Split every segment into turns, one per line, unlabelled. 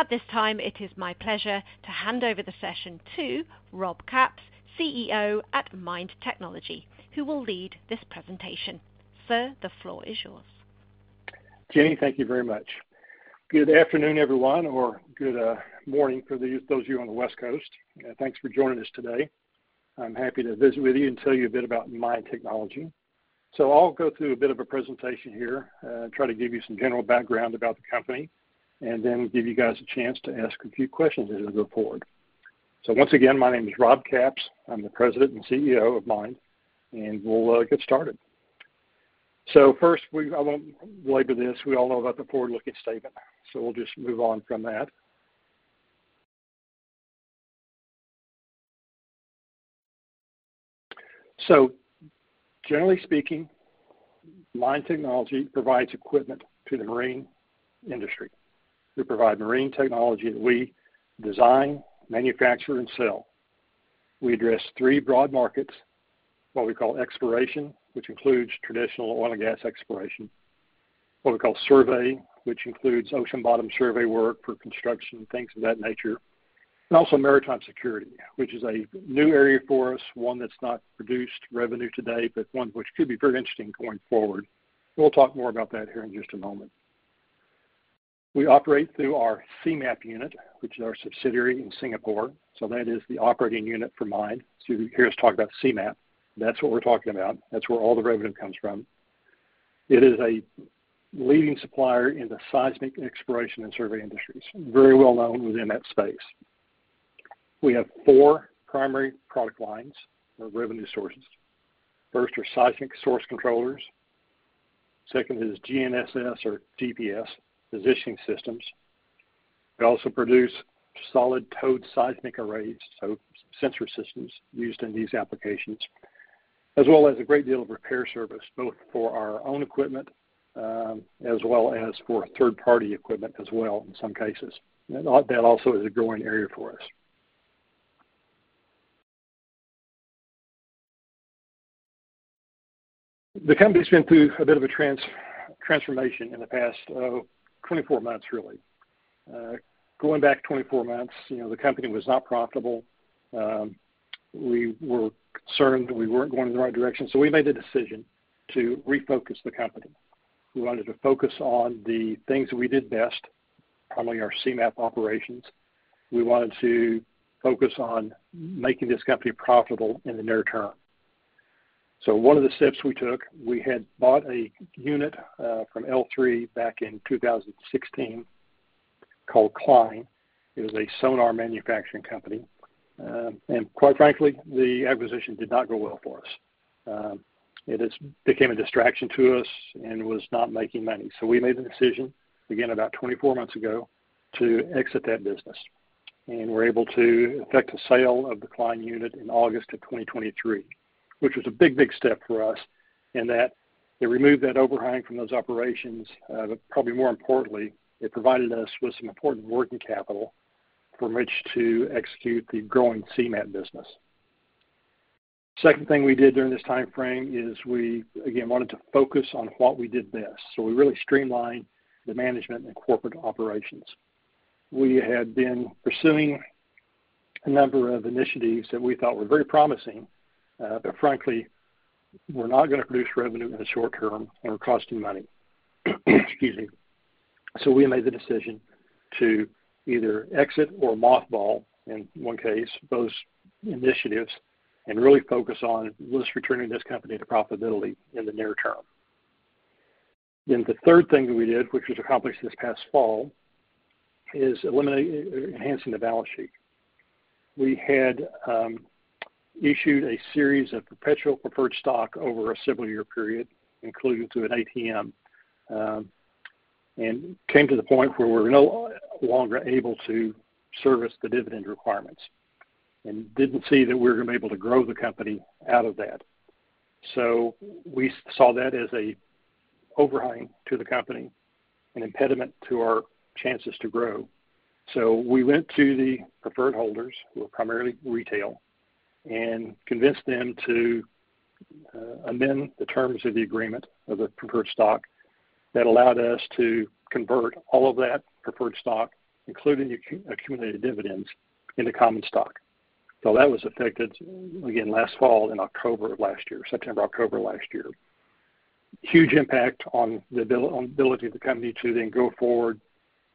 At this time, it is my pleasure to hand over the session to Rob Capps, CEO at MIND Technology, who will lead this presentation. Sir, the floor is yours.
Jenny, thank you very much. Good afternoon, everyone, or good morning for those of you on the West Coast. Thanks for joining us today. I'm happy to visit with you and tell you a bit about MIND Technology. I'll go through a bit of a presentation here, try to give you some general background about the company, and then give you guys a chance to ask a few questions as we go forward. Once again, my name is Rob Capps. I'm the President and CEO of MIND, and we'll get started. First, I won't belabor this. We all know about the forward-looking statement, so we'll just move on from that. Generally speaking, MIND Technology provides equipment to the marine industry. We provide marine technology that we design, manufacture, and sell. We address three broad markets: what we call exploration, which includes traditional oil and gas exploration; what we call survey, which includes ocean bottom survey work for construction and things of that nature; and also maritime security, which is a new area for us, one that's not produced revenue today, but one which could be very interesting going forward. We'll talk more about that here in just a moment. We operate through our Seamap unit, which is our subsidiary in Singapore. That is the operating unit for MIND. You hear us talk about Seamap. That's what we're talking about. That's where all the revenue comes from. It is a leading supplier in the seismic exploration and survey industries, very well known within that space. We have four primary product lines or revenue sources. First are seismic source controllers. Second is GNSS or GPS positioning systems. We also produce solid towed seismic arrays, so sensor systems used in these applications, as well as a great deal of repair service, both for our own equipment as well as for third-party equipment as well in some cases. That also is a growing area for us. The company's been through a bit of a transformation in the past 24 months, really. Going back 24 months, the company was not profitable. We were concerned we weren't going in the right direction. We made a decision to refocus the company. We wanted to focus on the things that we did best, primarily our Seamap operations. We wanted to focus on making this company profitable in the near term. One of the steps we took, we had bought a unit from L3 Technologies back in 2016 called Klein. It was a sonar manufacturing company. Quite frankly, the acquisition did not go well for us. It became a distraction to us and was not making money. We made the decision, again, about 24 months ago, to exit that business. We were able to effect a sale of the Klein unit in August of 2023, which was a big, big step for us in that it removed that overhang from those operations. Probably more importantly, it provided us with some important working capital from which to execute the growing Seamap business. The second thing we did during this timeframe is we, again, wanted to focus on what we did best. We really streamlined the management and corporate operations. We had been pursuing a number of initiatives that we thought were very promising, but frankly, were not going to produce revenue in the short term and were costing money. Excuse me. We made the decision to either exit or mothball, in one case, both initiatives, and really focus on risk-returning this company to profitability in the near term. The third thing that we did, which was accomplished this past fall, is enhancing the balance sheet. We had issued a series of perpetual preferred stock over a several-year period, included through an ATM, and came to the point where we were no longer able to service the dividend requirements and did not see that we were going to be able to grow the company out of that. We saw that as an overhang to the company, an impediment to our chances to grow. We went to the preferred holders, who are primarily retail, and convinced them to amend the terms of the agreement of the preferred stock that allowed us to convert all of that preferred stock, including accumulated dividends, into common stock. That was effected, again, last fall in October of last year, September, October of last year. Huge impact on the ability of the company to then go forward,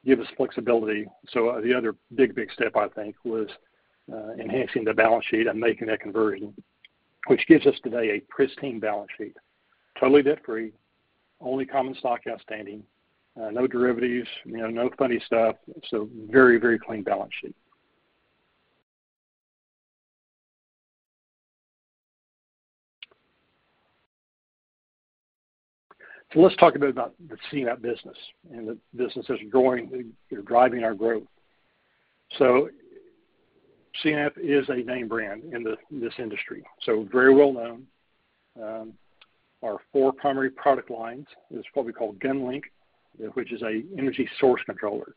give us flexibility. The other big, big step, I think, was enhancing the balance sheet and making that conversion, which gives us today a pristine balance sheet, totally debt-free, only common stock outstanding, no derivatives, no funny stuff. Very, very clean balance sheet. Let's talk a bit about the Seamap business and the business that's growing or driving our growth. Seamap is a name brand in this industry, so very well known. Our four primary product lines is what we call GunLink, which is an energy source controller.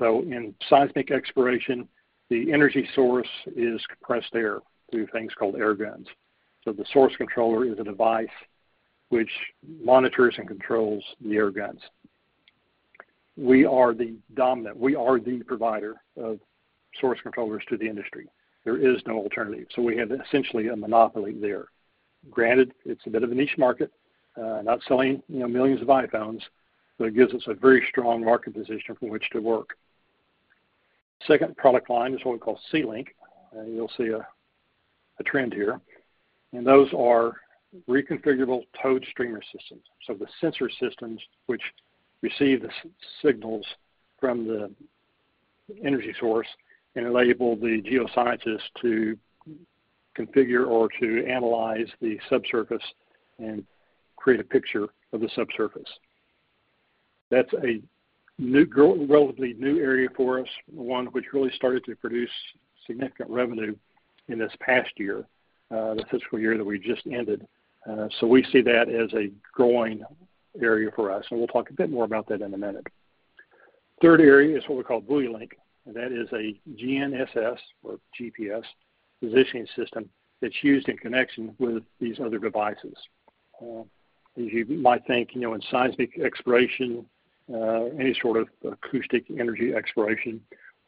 In seismic exploration, the energy source is compressed air through things called air guns. The source controller is a device which monitors and controls the air guns. We are the dominant; we are the provider of source controllers to the industry. There is no alternative. We have essentially a monopoly there. Granted, it's a bit of a niche market, not selling millions of iPhones, but it gives us a very strong market position from which to work. Second product line is what we call SeaLink. You'll see a trend here. Those are reconfigurable towed streamer systems. The sensor systems receive the signals from the energy source and enable the geoscientists to configure or to analyze the subsurface and create a picture of the subsurface. That's a relatively new area for us, one which really started to produce significant revenue in this past year, the fiscal year that we just ended. We see that as a growing area for us. We'll talk a bit more about that in a minute. Third area is what we call BuoyLink. That is a GNSS or GPS positioning system that's used in connection with these other devices. As you might think, in seismic exploration, any sort of acoustic energy exploration,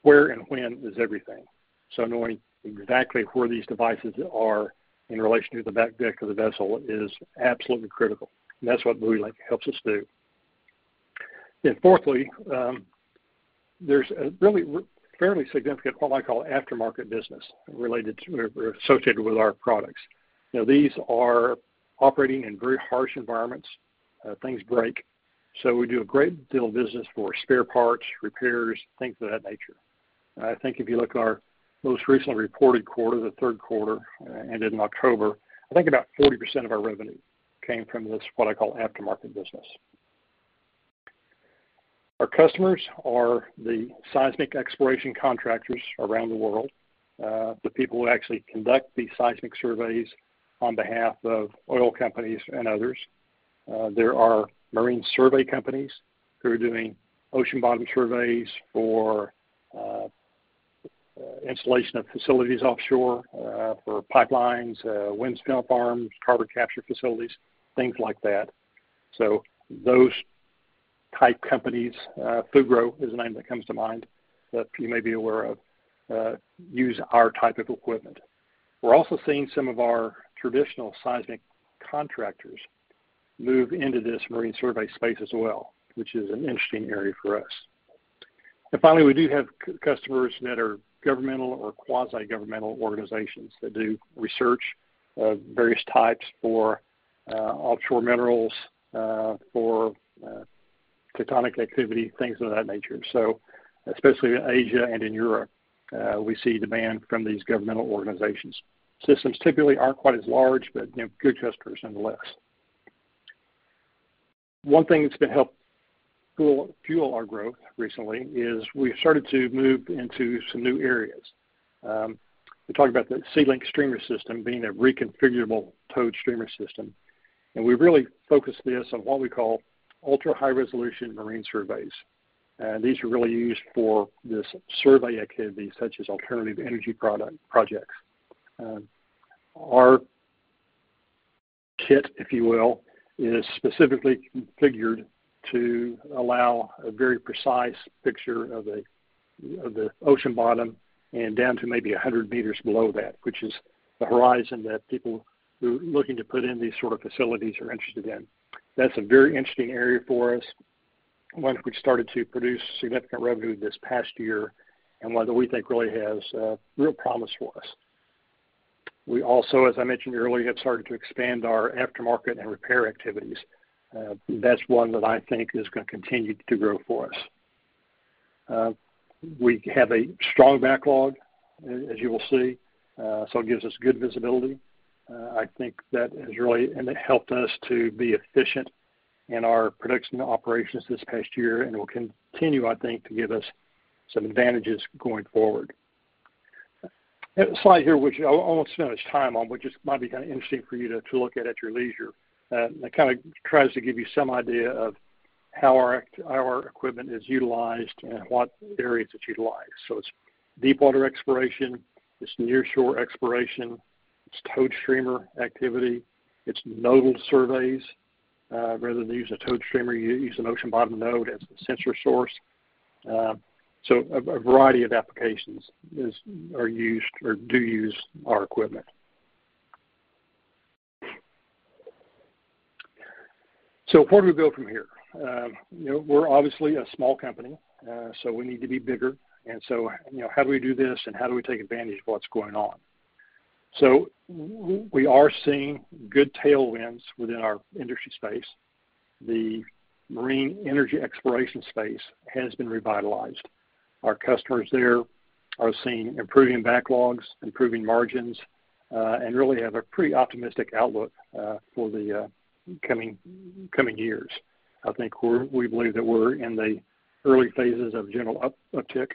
where and when is everything. Knowing exactly where these devices are in relation to the back deck of the vessel is absolutely critical. That's what BuoyLink helps us do. Fourthly, there's a really fairly significant, what I call, aftermarket business related to or associated with our products. These are operating in very harsh environments. Things break. We do a great deal of business for spare parts, repairs, things of that nature. I think if you look at our most recently reported quarter, the third quarter, ended in October, I think about 40% of our revenue came from this, what I call, aftermarket business. Our customers are the seismic exploration contractors around the world, the people who actually conduct the seismic surveys on behalf of oil companies and others. There are marine survey companies who are doing ocean bottom surveys for installation of facilities offshore, for pipelines, wind farms, carbon capture facilities, things like that. Those type companies, Fugro is a name that comes to mind that you may be aware of, use our type of equipment. We're also seeing some of our traditional seismic contractors move into this marine survey space as well, which is an interesting area for us. Finally, we do have customers that are governmental or quasi-governmental organizations that do research of various types for offshore minerals, for tectonic activity, things of that nature. Especially in Asia and in Europe, we see demand from these governmental organizations. Systems typically aren't quite as large, but good customers nonetheless. One thing that's been helping fuel our growth recently is we've started to move into some new areas. We talked about the SeaLink streamer system being a reconfigurable towed streamer system. We really focus this on what we call ultra-high-resolution marine surveys. These are really used for this survey activity, such as alternative energy projects. Our kit, if you will, is specifically configured to allow a very precise picture of the ocean bottom and down to maybe 100 meters below that, which is the horizon that people who are looking to put in these sort of facilities are interested in. That is a very interesting area for us, one which started to produce significant revenue this past year and one that we think really has real promise for us. We also, as I mentioned earlier, have started to expand our aftermarket and repair activities. That is one that I think is going to continue to grow for us. We have a strong backlog, as you will see. It gives us good visibility. I think that has really helped us to be efficient in our production operations this past year and will continue, I think, to give us some advantages going forward. This slide here, which I won't spend as much time on, which might be kind of interesting for you to look at at your leisure, kind of tries to give you some idea of how our equipment is utilized and what areas it's utilized. It's deepwater exploration. It's nearshore exploration. It's towed streamer activity. It's nodal surveys. Rather than use a towed streamer, you use an ocean bottom node as a sensor source. A variety of applications are used or do use our equipment. Where do we go from here? We're obviously a small company, so we need to be bigger. How do we do this and how do we take advantage of what's going on? We are seeing good tailwinds within our industry space. The marine energy exploration space has been revitalized. Our customers there are seeing improving backlogs, improving margins, and really have a pretty optimistic outlook for the coming years. I think we believe that we're in the early phases of general uptick.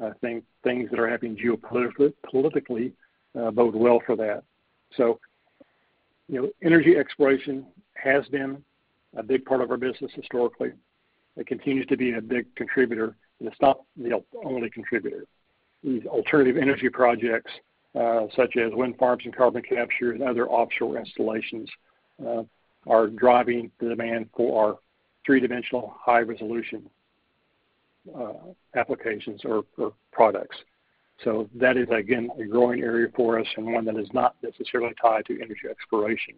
I think things that are happening geopolitically bode well for that. Energy exploration has been a big part of our business historically. It continues to be a big contributor and is not the only contributor. These alternative energy projects, such as wind farms and carbon capture and other offshore installations, are driving the demand for our three-dimensional high-resolution applications or products. That is, again, a growing area for us and one that is not necessarily tied to energy exploration,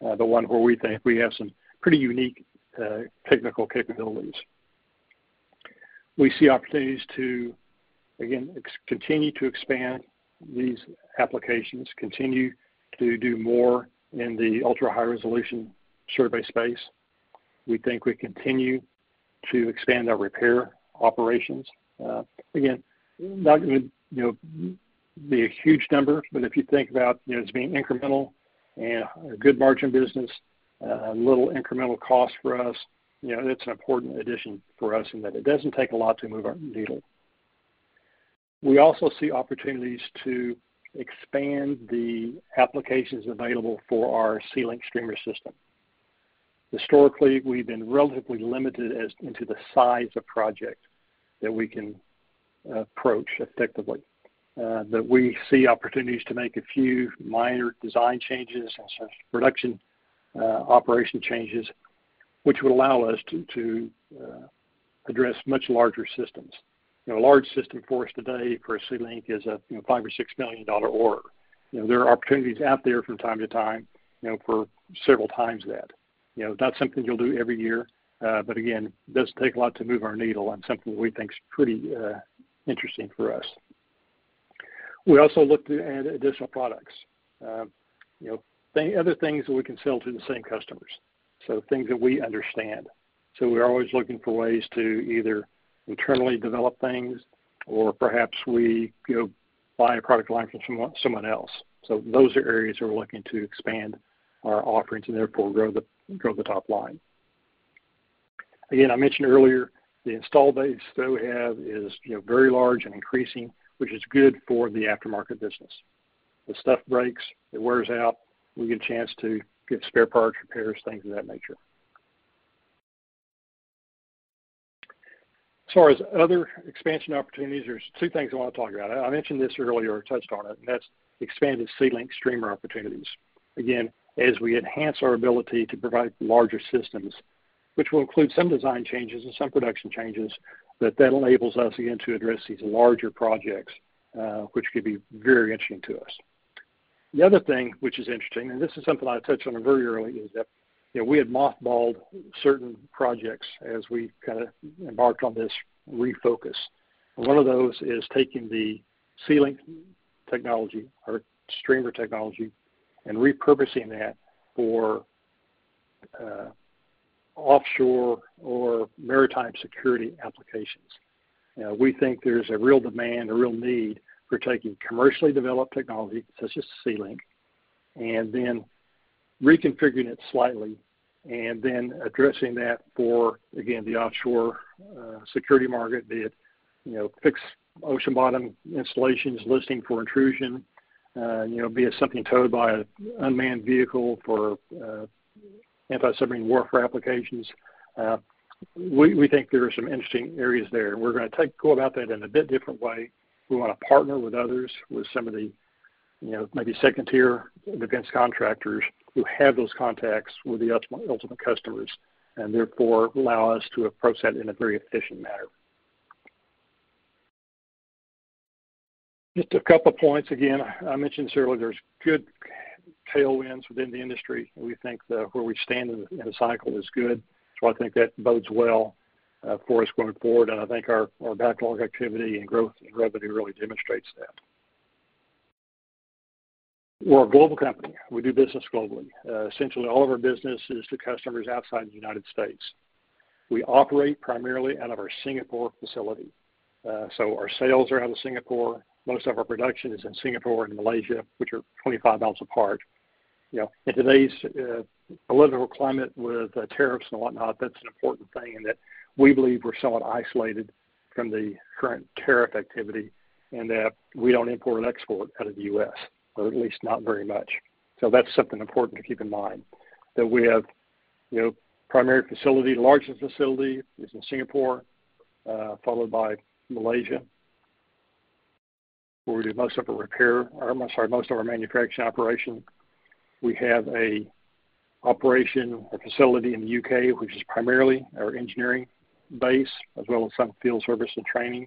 but one where we think we have some pretty unique technical capabilities. We see opportunities to, again, continue to expand these applications, continue to do more in the ultra-high-resolution survey space. We think we continue to expand our repair operations. Again, not going to be a huge number, but if you think about it as being incremental and a good margin business, little incremental cost for us, it's an important addition for us in that it doesn't take a lot to move our needle. We also see opportunities to expand the applications available for our SeaLink streamer system. Historically, we've been relatively limited into the size of projects that we can approach effectively. We see opportunities to make a few minor design changes and some production operation changes, which would allow us to address much larger systems. A large system for us today for SeaLink is a $5 million or $6 million order. There are opportunities out there from time to time for several times that. It's not something you'll do every year, but again, it doesn't take a lot to move our needle and something that we think is pretty interesting for us. We also look to add additional products, other things that we can sell to the same customers, so things that we understand. We're always looking for ways to either internally develop things or perhaps we go buy a product line from someone else. Those are areas where we're looking to expand our offerings and therefore grow the top line. Again, I mentioned earlier, the install base that we have is very large and increasing, which is good for the aftermarket business. The stuff breaks, it wears out, we get a chance to get spare parts, repairs, things of that nature. As far as other expansion opportunities, there's two things I want to talk about. I mentioned this earlier or touched on it, and that's expanded SeaLink streamer opportunities. Again, as we enhance our ability to provide larger systems, which will include some design changes and some production changes, that enables us, again, to address these larger projects, which could be very interesting to us. The other thing which is interesting, and this is something I touched on very early, is that we had mothballed certain projects as we kind of embarked on this refocus. One of those is taking the SeaLink technology, our streamer technology, and repurposing that for offshore or maritime security applications. We think there's a real demand, a real need for taking commercially developed technology such as SeaLink and then reconfiguring it slightly and then addressing that for, again, the offshore security market, be it fixed ocean bottom installations, listening for intrusion, be it something towed by an unmanned vehicle for anti-submarine warfare applications. We think there are some interesting areas there. We're going to go about that in a bit different way. We want to partner with others, with some of the maybe second-tier defense contractors who have those contacts with the ultimate customers and therefore allow us to approach that in a very efficient manner. Just a couple of points. Again, I mentioned this earlier, there's good tailwinds within the industry. We think where we stand in the cycle is good. I think that bodes well for us going forward. I think our backlog activity and growth and revenue really demonstrates that. We're a global company. We do business globally. Essentially, all of our business is to customers outside the U.S. We operate primarily out of our Singapore facility. Our sales are out of Singapore. Most of our production is in Singapore and Malaysia, which are 25 mi apart. In today's political climate with tariffs and whatnot, that's an important thing in that we believe we're somewhat isolated from the current tariff activity and that we don't import and export out of the U.S., or at least not very much. That's something important to keep in mind. We have primary facility, largest facility is in Singapore, followed by Malaysia, where we do most of our manufacturing operation. We have an operation or facility in the U.K., which is primarily our engineering base, as well as some field service and training.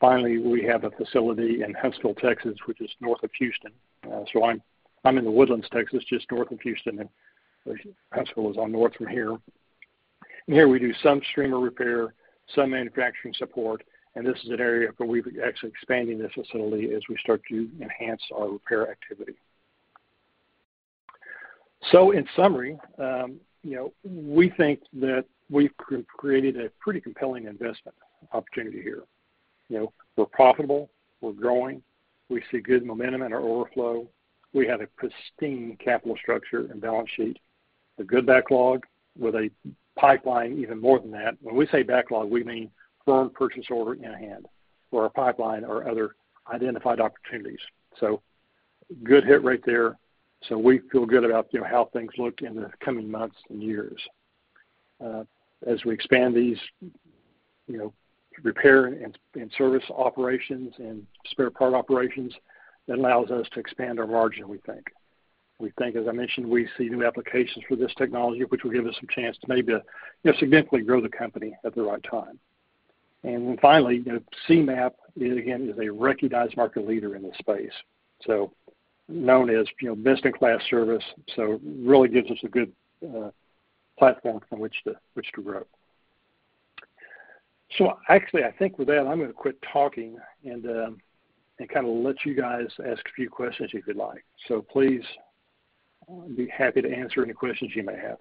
Finally, we have a facility in Huntsville, Texas, which is north of Houston. I'm in The Woodlands, Texas, just north of Houston. Huntsville is on north from here. Here we do some streamer repair, some manufacturing support. This is an area where we've actually expanded this facility as we start to enhance our repair activity. In summary, we think that we've created a pretty compelling investment opportunity here. We're profitable. We're growing. We see good momentum in our order flow. We have a pristine capital structure and balance sheet, a good backlog with a pipeline even more than that. When we say backlog, we mean firm purchase order in hand for our pipeline or other identified opportunities. Good hit rate there. We feel good about how things look in the coming months and years. As we expand these repair and service operations and spare part operations, that allows us to expand our margin, we think. We think, as I mentioned, we see new applications for this technology, which will give us some chance to maybe significantly grow the company at the right time. Finally, Seamap, again, is a recognized market leader in this space, so known as best-in-class service. It really gives us a good platform from which to grow. Actually, I think with that, I'm going to quit talking and kind of let you guys ask a few questions if you'd like. Please be happy to answer any questions you may have.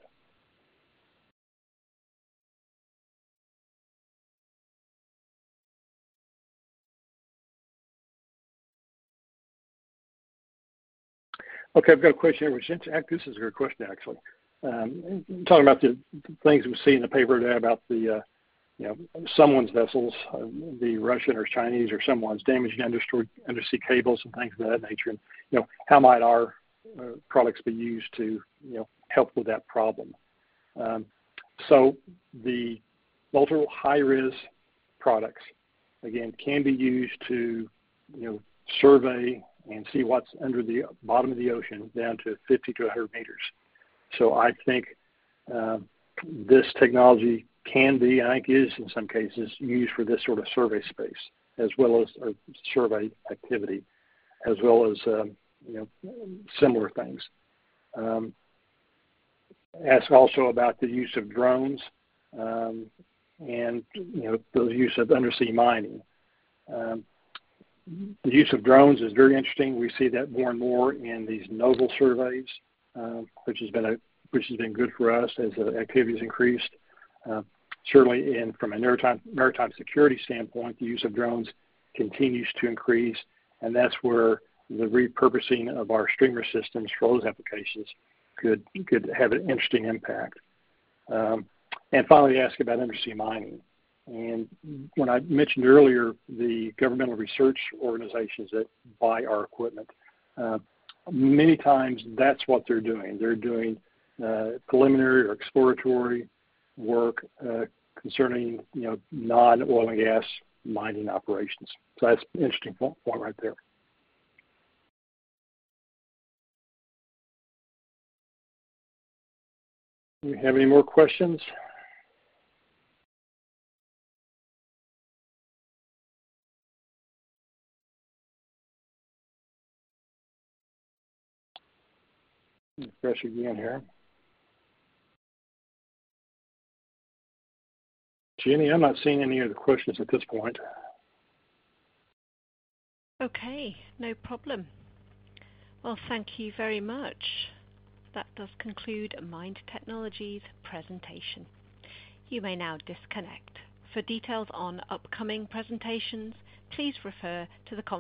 Okay. I've got a question here. This is a good question, actually. Talking about the things we see in the paper about someone's vessels, the Russian or Chinese or someone's damaged industry cables and things of that nature, and how might our products be used to help with that problem. The ultra-high-resolution products, again, can be used to survey and see what's under the bottom of the ocean down to 50-100 meters. I think this technology can be, and I think is in some cases, used for this sort of survey space as well as survey activity as well as similar things. Ask also about the use of drones and the use of undersea mining. The use of drones is very interesting. We see that more and more in these nodal surveys, which has been good for us as the activity has increased. Certainly, from a maritime security standpoint, the use of drones continues to increase. That's where the repurposing of our streamer systems for those applications could have an interesting impact. Finally, ask about undersea mining. When I mentioned earlier the governmental research organizations that buy our equipment, many times that's what they're doing. They're doing preliminary or exploratory work concerning non-oil and gas mining operations. That's an interesting point right there. Do we have any more questions? Let me refresh again here. Jenny, I'm not seeing any of the questions at this point.
Okay. No problem. Thank you very much. That does conclude MIND Technology's presentation. You may now disconnect. For details on upcoming presentations, please refer to the.